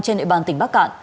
trên nội bàn tỉnh bắc cạn